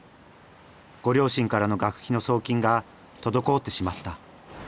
ご両親からの学費の送金が滞ってしまった。